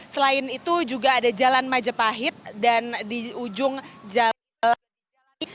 selain itu juga ada jalan majapahit dan di ujung jalan